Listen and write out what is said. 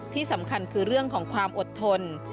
ที่สำคัญคือเรื่องของความอดทน